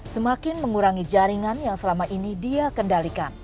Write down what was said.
semakin mengurangi jaringan yang selama ini dia kendalikan